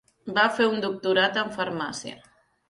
Va fer un doctorat en farmàcia.